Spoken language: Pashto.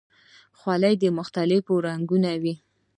خولۍ د مختلفو رنګونو وي.